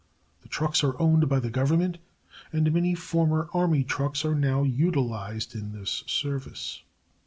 The trucks are owned by the Government and many former Army trucks are now utilized in this service.